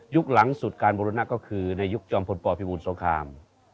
หลังสุดการบุรณะก็คือในยุคจอมพลปพิบูรสงคราม